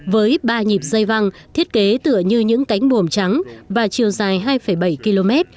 với ba nhịp dây văng thiết kế tựa như những cánh bùm trắng và chiều dài hai bảy km